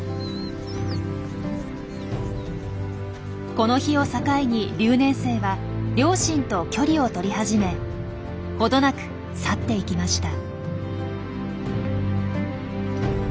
この日を境に留年生は両親と距離を取り始めほどなく去っていきました。